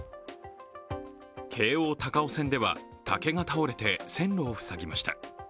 京王高尾線では竹が倒れて線路を塞ぎました。